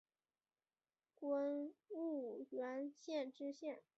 官婺源县知县。